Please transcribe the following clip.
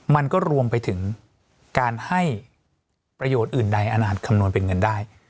มันก็รวมไปถึงการให้ประโยชน์อื่นใดอาจคำนวณเป็นเงินได้